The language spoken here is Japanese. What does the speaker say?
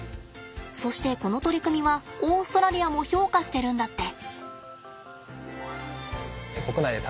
そしてこの取り組みはオーストラリアも評価してるんだって。